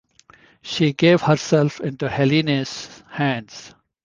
She gave herself into Helene's hands.